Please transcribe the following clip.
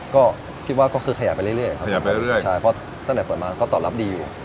ก็คิดว่าก็คือขยับไปเรื่อยครับผมเพราะตั้งแต่เปิดมาก็ตอบรับดีอยู่